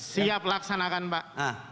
siap laksanakan pak